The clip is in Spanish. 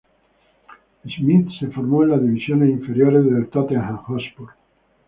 Smith se formó en las divisiones inferiores del Tottenham Hotspur.